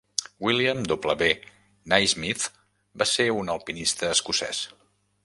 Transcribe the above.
William W. Naismith va ser un alpinista escocès.